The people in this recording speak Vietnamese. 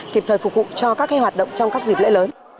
kịp thời phục vụ cho các hoạt động trong các dịp lễ lớn